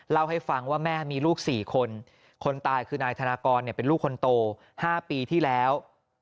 เล่าให้ฟังว่าแม่มีลูก๔คนคนตายคือนายธนากรเป็นลูกคนโต๕ปีที่แล้ว